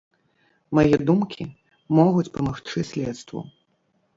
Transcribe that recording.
Мае думкі могуць памагчы следству.